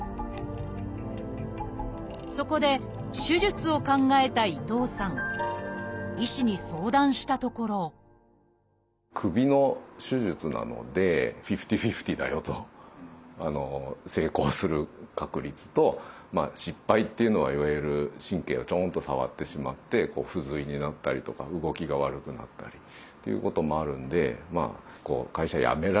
そこで手術を考えた伊藤さん医師に相談したところ成功する確率と失敗っていうのはいわゆる神経をちょんと触ってしまって不随になったりとか動きが悪くなったりっていうこともあるんで。